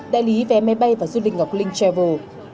đại lý vé máy bay và du lịch ngọc linh travel